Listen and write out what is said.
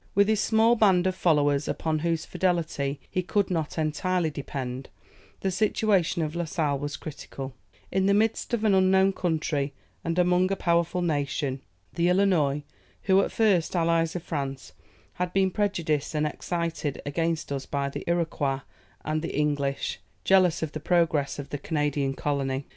With his small band of followers, upon whose fidelity he could not entirely depend, the situation of La Sale was critical, in the midst of an unknown country, and among a powerful nation, the Illinois, who, at first allies of France, had been prejudiced and excited against us by the Iroquois and the English, jealous of the progress of the Canadian colony.